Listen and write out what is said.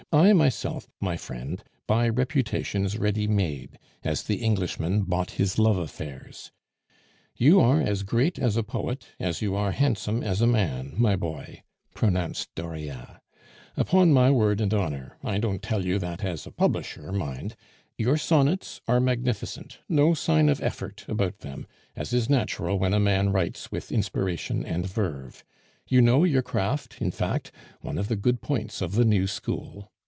I myself, my friend, buy reputations ready made, as the Englishman bought his love affairs. You are as great as a poet as you are handsome as a man, my boy," pronounced Dauriat. "Upon my word and honor (I don't tell you that as a publisher, mind), your sonnets are magnificent; no sign of effort about them, as is natural when a man writes with inspiration and verve. You know your craft, in fact, one of the good points of the new school.